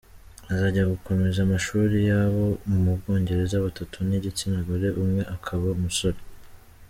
Abazajya gukomeza amashuri yabo mu Bwongereza, batatu ni igitsina gore umwe akaba umusore.